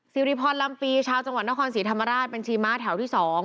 สิริพรลำปีชาวจังหวัดนครศรีธรรมราชบัญชีม้าแถวที่๒